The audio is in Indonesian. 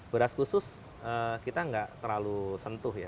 beras khusus kita nggak terlalu sentuh ya